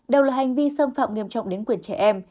đều là hành vi xâm phạm nghiêm trọng đến quyền trẻ em